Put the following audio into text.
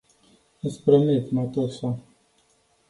Iti promit, matusa.